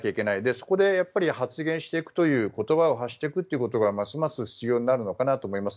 そこで発言していくという言葉を発していくということがますます必要になるのかなと思います。